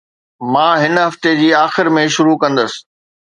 مان هن هفتي جي آخر ۾ شروع ڪندس.